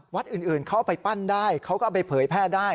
วัดอื่นเข้าไปปั้นได้เขาก็เอาไปเผยแพร่ได้